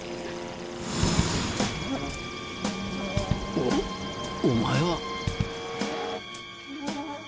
おお前は？